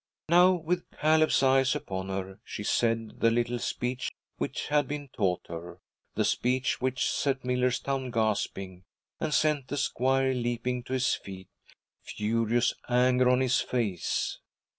Now, with Caleb's eyes upon her, she said the little speech which had been taught her, the speech which set Millerstown gasping, and sent the squire leaping to his feet, furious anger on his face.